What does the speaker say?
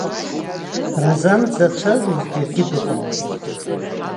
Разан дзацәажәоз џьаргьы дыҟамызт.